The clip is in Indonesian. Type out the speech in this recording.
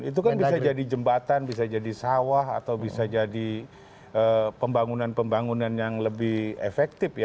itu kan bisa jadi jembatan bisa jadi sawah atau bisa jadi pembangunan pembangunan yang lebih efektif ya